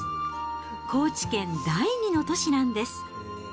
高知県第２の都市なんです。